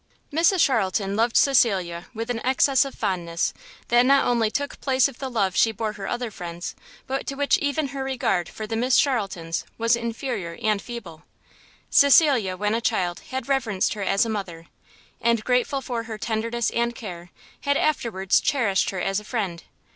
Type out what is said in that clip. Mrs Charlton loved Cecilia with an excess of fondness, that not only took place of the love she bore her other friends, but to which even her regard for the Miss Charltons was inferior and feeble. Cecilia when a child had reverenced her as a mother, and, grateful for her tenderness and care, had afterwards cherished her as a friend.